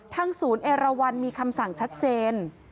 ศูนย์เอราวันมีคำสั่งชัดเจน